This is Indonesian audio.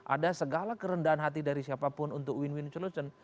ada segala kerendahan hati dari siapapun untuk win win solution